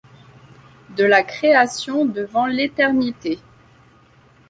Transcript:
De la création devant l'éternité.